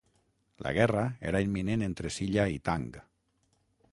La guerra era imminent entre Silla i Tang.